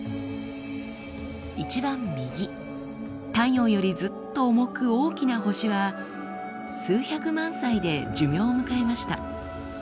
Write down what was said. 一番右太陽よりずっと重く大きな星は数百万歳で寿命を迎えました。